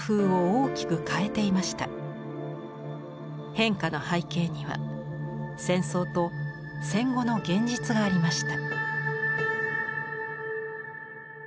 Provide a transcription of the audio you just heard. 変化の背景には戦争と戦後の現実がありました。